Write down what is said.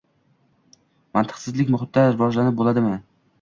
Mantiqsizlik muhitida rivojlanib bo‘ladimi?